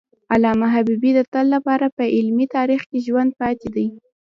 علامه حبیبي د تل لپاره په علمي تاریخ کې ژوندی پاتي دی.